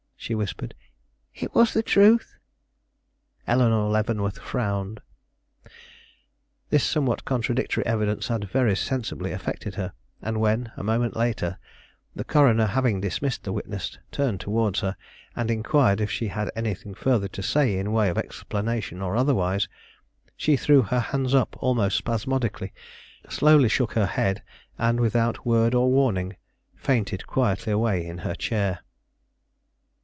she whispered; "it was the truth." Eleanore Leavenworth frowned. This somewhat contradictory evidence had very sensibly affected her; and when, a moment later, the coroner, having dismissed the witness, turned towards her, and inquired if she had anything further to say in the way of explanation or otherwise, she threw her hands up almost spasmodically, slowly shook her head and, without word or warning, fainted quietly away in her chair.